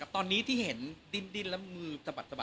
ตอนนี้ที่เห็นดิ้นแล้วมือสะบัดสะบ